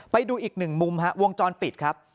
ไปดูอีกหนึ่งมุมฮะวงจรปิดครับ